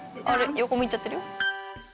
横向いちゃってるよ？